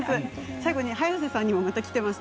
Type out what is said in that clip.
最後に早瀬さんにもきてます。